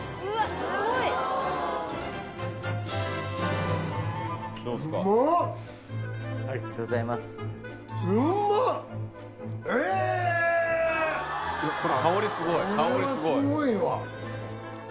すごいの？